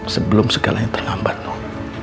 sebelum segalanya terlambat nuk